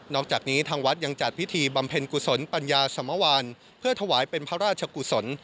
อกจากนี้ทางวัดยังจัดพิธีบำเพ็ญกุศลปัญญาสมวานเพื่อถวายเป็นพระราชกุศล